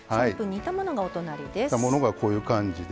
煮たものがこういう感じで。